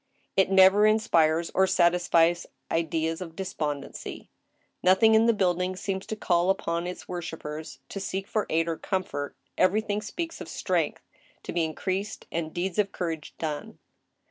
It never inspires or satisfies ideas of despondency. Nothing in the build ing seems to call upon its worshipers to seek for aid or comfort, everything speaks of strength to be increased and deeds of courage done.